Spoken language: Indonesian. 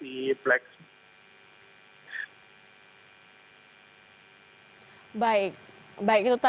baik baik itu tadi bagaimana laporan dari rizky renadi dari atas kapal barunajaya satu